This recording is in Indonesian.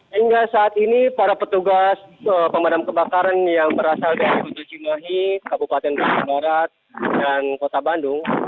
hingga saat ini para petugas pemadam kebakaran yang berasal dari kutu cimahi kabupaten bandung barat dan kota bandung